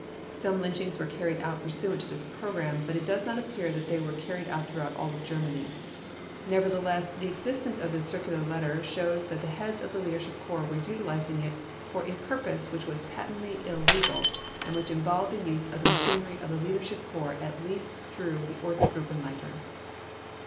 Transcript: Some lynchings were carried out pursuant to this program, but it does not appear that they were carried out throughout all of Germany. Nevertheless, the existence of this circular letter shows that the heads of the Leadership Corps were utilizing it for a purpose which was patently illegal and which involved the use of the machinery of the Leadership Corps at least through the Ortsgruppenleiter.